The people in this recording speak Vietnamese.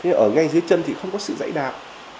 thế ở ngay dưới chân thì không có sự giải đạt